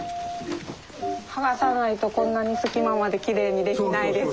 剥がさないとこんなに隙間まできれいにできないですよね。